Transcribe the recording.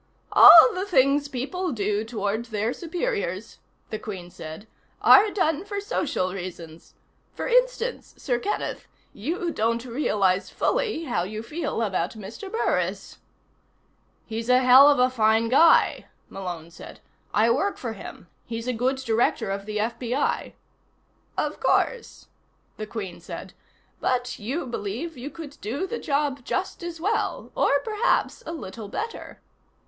"All the things people do toward their superiors," the Queen said, "are done for social reasons. For instance, Sir Kenneth: you don't realize fully how you feel about Mr. Burris." "He's a hell of a fine guy," Malone said. "I work for him. He's a good Director of the FBI." "Of course," the Queen said. "But you believe you could do the job just as well, or perhaps a little better."